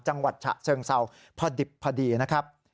จังหวัดฉะเชิงเซาพอดิบพอดีนะครับ